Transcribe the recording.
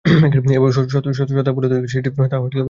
সত্তা বলিতে যাহা আছে, তাহা একটি-ই।